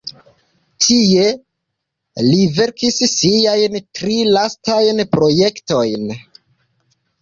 Tie li verkis siajn tri lastajn projektojn.